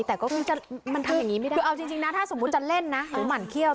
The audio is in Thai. แต่ก็ที่เอาจริงนะถ้าสมมุติจะเล่นนะหมานเคี้ยว